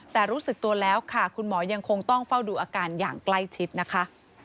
แต่รู้สึกตัวแล้วค่ะคุณหมอยังคงต้องเฝ้าดูอาการอย่างใกล้ชิดนะคะ